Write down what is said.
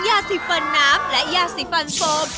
ยาสีฟันน้ำและยาสีฟันโฟม